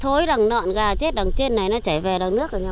thối đằng đoạn gà chết đằng trên này nó chảy về đằng nước ở nhà